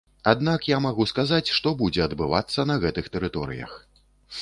Аднак я магу сказаць, што будзе адбывацца на гэтых тэрыторыях.